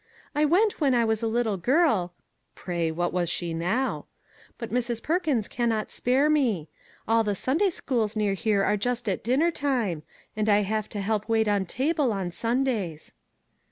" I went when I was a little girl " pray, what was she now !" but Mrs. Perkins can not spare me; all the Sunday schools near here are just at dinner time, and I have to help wait on table on Sundays."